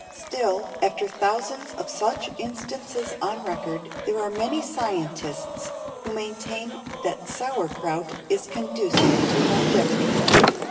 Still, after thousands of such instances on record, there are many scientists who maintain that sauer kraut is conducive to longevity.